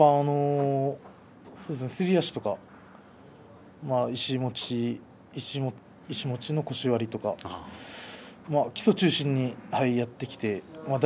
すり足とか石持ちの腰割基礎を中心にやってきました。